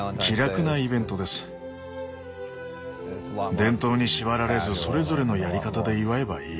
伝統に縛られずそれぞれのやり方で祝えばいい。